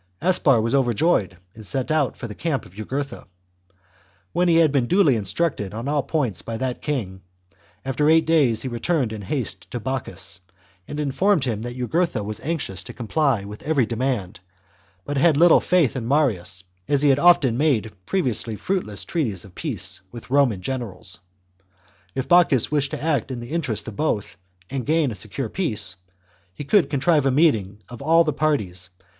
Aspar was overjoyed and set out for the camp of Jugurtha. When he had been duly instructed on all points by that king, after eight days he returned in haste to Bocchus, and informed him that Jugurtha was anxious to comply with every demand, but had little faith in Marius as he had often made previously fruitless treaties of peace with Roman generals : if Bocchus wished to act in the interests of both and gain a secure peace, he should contrive a meeting of all the parties CXII.